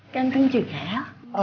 ganteng juga ya